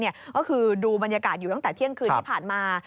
ก็คือดูบรรยากาศอยู่ตั้งแต่เที่ยงคืนที่ผ่านมา